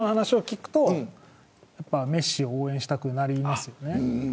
今の話を聞くとメッシを応援したくなりますよね。